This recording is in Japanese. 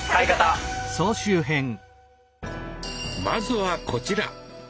まずはこちら！